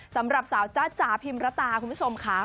สำหรับสาวจ้าจ๋าพิมรตาคุณผู้ชมค่ะ